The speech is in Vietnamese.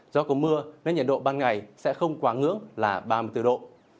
do có mưa nên nhiệt độ ban ngày sẽ không quá ngưỡng là ba mươi bốn độ